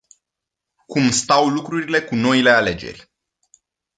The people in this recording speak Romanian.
Cum stau lucrurile cu noile alegeri?